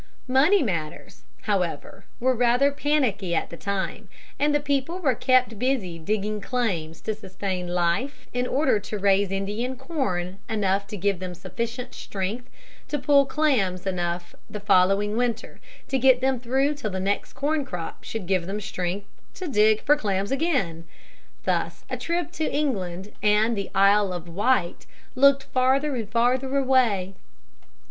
Money matters; however, were rather panicky at the time, and the people were kept busy digging clams to sustain life in order to raise Indian corn enough to give them sufficient strength to pull clams enough the following winter to get them through till the next corn crop should give them strength to dig for clams again. Thus a trip to London and the Isle of Wight looked farther and farther away.